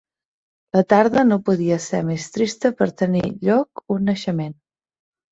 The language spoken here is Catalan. La tarde no podia ser més trista per tenir lloc un naixement